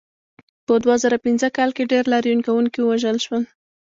په دوه زره پنځه کال کې ډېر لاریون کوونکي ووژل شول.